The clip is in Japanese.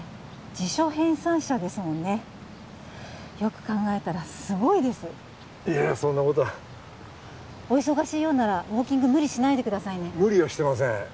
辞書編纂者ですもんねよく考えたらすごいですいやいやそんなことはお忙しいようならウォーキング無理しないでくださいね無理はしてません